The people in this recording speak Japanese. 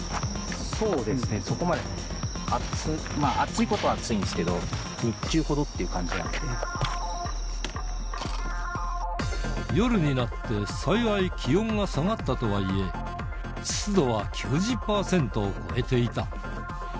そうですね、そこまで暑、暑いことは暑いんですけど、日中ほどっていう感じな夜になって幸い、気温が下がったとはいえ、湿度は９０％を超えていた。